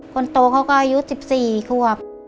คนโตเขาก็อายุ๑๔ควบ